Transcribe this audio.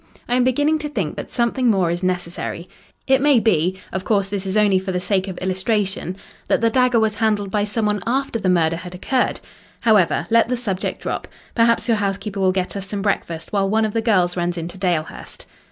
I am beginning to think that something more is necessary. It may be of course, this is only for the sake of illustration that the dagger was handled by some one after the murder had occurred. However, let the subject drop. Perhaps your housekeeper will get us some breakfast while one of the girls runs into Dalehurst."